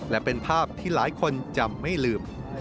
และเป็นภาพที่หลายคนจำไม่ลืม